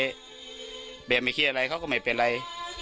ไปอย่างไม่เครียดเลยเขาก็ไม่เป็นไร